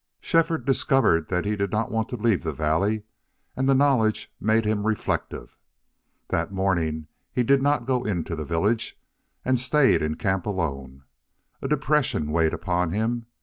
Shefford discovered that he did not want to leave the valley, and the knowledge made him reflective. That morning he did not go into the village, and stayed in camp alone. A depression weighed upon him.